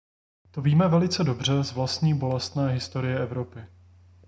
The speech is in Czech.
To víme velice dobře z vlastní bolestné historie Evropy.